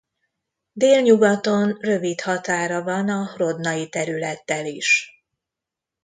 Délnyugaton rövid határa van a Hrodnai területtel is.